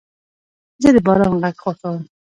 زه د باران غږ خوښوم.